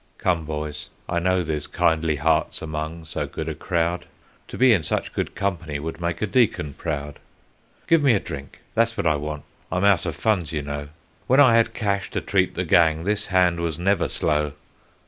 "Come, boys, I know there's kindly hearts among so good a crowd To be in such good company would make a deacon proud. "Give me a drink that's what I want I'm out of funds, you know, When I had cash to treat the gang this hand was never slow.